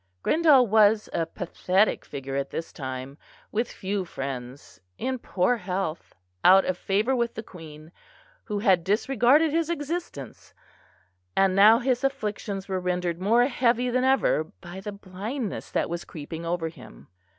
Grindal was a pathetic figure at this time, with few friends, in poor health, out of favour with the Queen, who had disregarded his existence; and now his afflictions were rendered more heavy than ever by the blindness that was creeping over him.